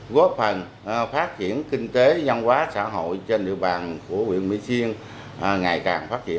góp phần phát triển kinh tế nhân hóa xã hội trên địa bàn của quyện mỹ xuyên ngày càng phát triển